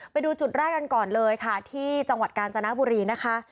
ไปดูจุดแรกกันก่อนเลยค่ะที่จังหวัดกาญจนบุรีนะคะ